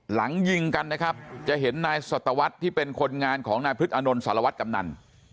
หลังยิงกันนะครับจะเห็นนายสัตวรรษที่เป็นคนงานของนายพฤษอานนท์สารวัตรกำนัน